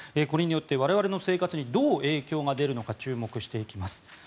これによって我々の生活にどう影響が出るのか注目していきます。